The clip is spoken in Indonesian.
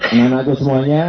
anak anak itu semuanya